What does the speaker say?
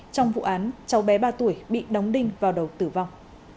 trong vụ án cháu bé ba tuổi bị đóng đinh vào đầu tử vong